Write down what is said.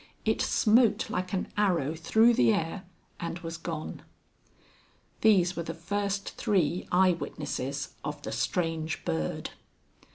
It smote like an arrow through the air and was gone. These were the first three eye witnesses of the Strange Bird.